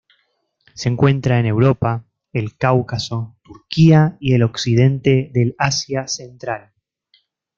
Se encuentra en Europa, el Cáucaso, Turquía y el occidente del Asia central.